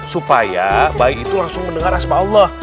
supaya bayi itu langsung mendengar asma allah